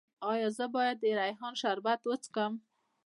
ایا زه باید د ریحان شربت وڅښم؟